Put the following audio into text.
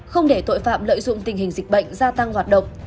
không để tội phạm lợi dụng tình hình dịch bệnh gia tăng hoạt động